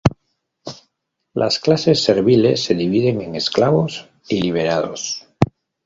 Las clases serviles se dividen en esclavos y liberados.